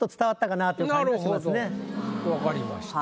分かりました。